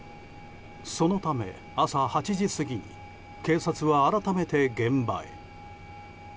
そのため、朝８時過ぎに警察は改めて現場へ。